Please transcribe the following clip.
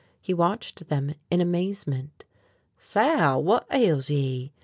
He watched them in amazement. "Sal, whut ails ye?"